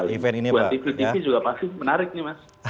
buat tv juga pasti menarik mas